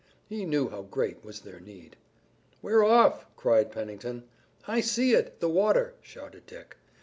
He knew how great was their need. "We're off!" cried Pennington. "I see it! The water!" shouted Dick.